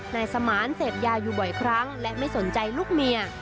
นายสมานเสพยาอยู่บ่อยครั้งและไม่สนใจลูกเมีย